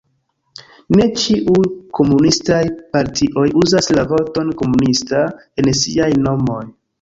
Ne ĉiuj komunistaj partioj uzas la vorton "komunista" en siaj nomoj.